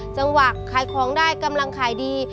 จังหวะขายของได้กำลังขายดี